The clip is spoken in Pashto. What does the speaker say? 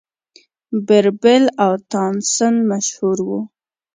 بیربل او تانسن مشهور وو.